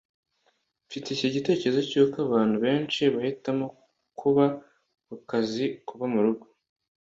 Mfite iki gitekerezo cy'uko abantu benshi bahitamo kuba kukazi kuba murugo